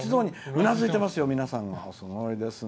うなずいてますよ、皆さんが。